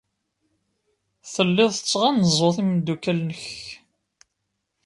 Tellid tettɣanzuḍ imeddukal-nnek.